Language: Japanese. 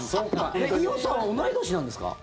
伊代さんは同い年なんですか？